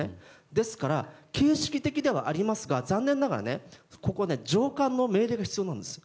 ですから形式的ではありますが残念ながらここは上官の命令が必要なんです。